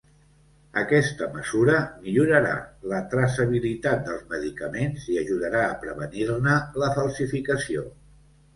Aquesta mesura millorarà la traçabilitat dels medicaments i ajudarà a prevenir-ne la falsificació.